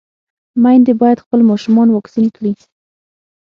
ميندې بايد خپل ماشومان واکسين کړي.